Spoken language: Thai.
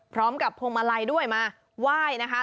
พร้อมกับพวงมาลัยด้วยมาไหว้นะคะ